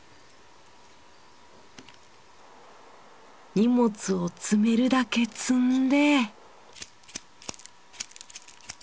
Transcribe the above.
荷物を積めるだけ積んで。